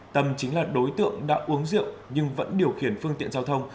tâm chính là đối tượng đã uống rượu nhưng vẫn điều khiển phương tiện giao thông